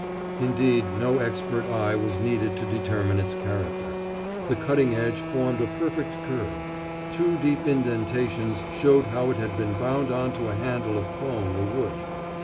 Indeed, no expert eye was needed to determine its character. The cutting edge formed a perfect curve; two deep indentations showed how it had been bound on to a handle of bone or wood.